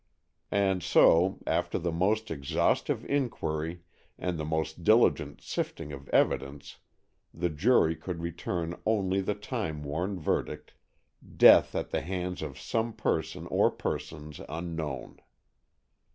And so, after the most exhaustive inquiry and the most diligent sifting of evidence, the jury could return only the time worn verdict, "Death at the hands of some person or persons unknown."